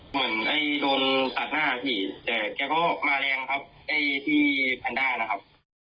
เหมือนแบบโดนตัดหน้าอาหารสี่แต่แกก็มาแรงครับที่พรรดานะครับ